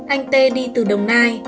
anh t đi từ đồng nai